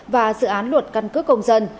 và dự án luật căn cứ công dân